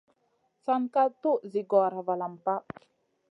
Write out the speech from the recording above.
San ka tuʼ zi gora valam pa.